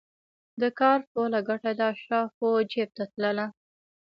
د کار ټوله ګټه د اشرافو جېب ته تلله